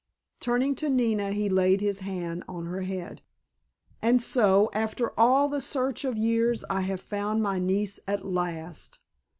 Turning to Nina he laid his hand on her head. "And so, after all the search of years I have found my niece at last!